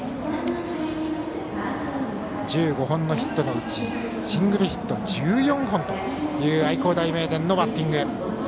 １５本のヒットのうちシングルヒット１４本という愛工大名電のバッティング。